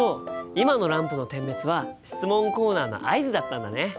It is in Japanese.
今のランプの点滅は質問コーナーの合図だったんだね。